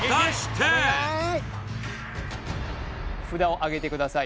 札をあげてください